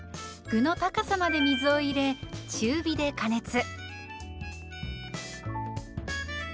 具の高さまで水を入れ中火で加熱。